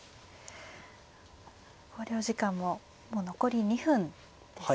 考慮時間ももう残り２分ですね。